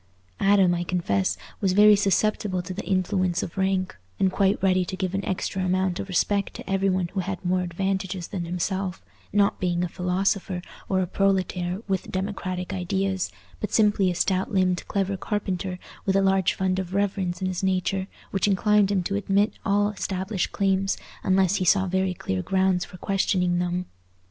Adam, I confess, was very susceptible to the influence of rank, and quite ready to give an extra amount of respect to every one who had more advantages than himself, not being a philosopher or a proletaire with democratic ideas, but simply a stout limbed clever carpenter with a large fund of reverence in his nature, which inclined him to admit all established claims unless he saw very clear grounds for questioning them.